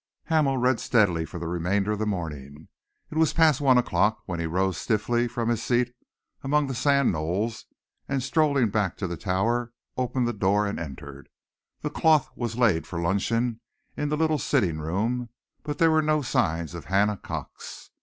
Hamel read steadily for the remainder of the morning. It was past one o'clock when he rose stiffly from his seat among the sand knolls and, strolling back to the Tower, opened the door and entered. The cloth was laid for luncheon in the little sitting room, but there were no signs of Hannah Cox.